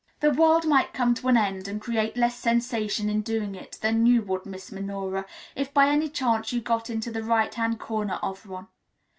The world might come to an end, and create less sensation in doing it, than you would, Miss Minora, if by any chance you got into the right hand corner of one.